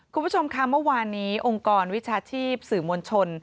คุณผู้ชมค่ะเมื่อวานนี้องค์กรวิชาชีพสื่อมวลชน